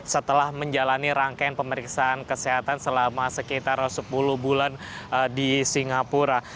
setelah menjalani rangkaian pemeriksaan kesehatan selama sekitar sepuluh bulan di singapura